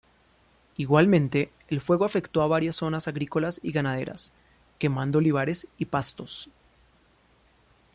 Igualmente, el fuego afectó a varias zonas agrícolas y ganaderas, quemando olivares y pastos.